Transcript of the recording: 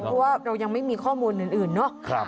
เพราะว่าเรายังไม่มีข้อมูลอื่นเนาะ